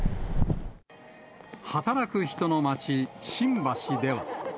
働く人の街、新橋では。